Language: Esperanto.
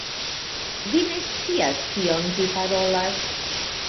Vi ne scias kion vi parolas.